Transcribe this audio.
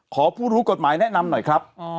ขอผู้รู้กฎหมายแนะนำหน่อยครับ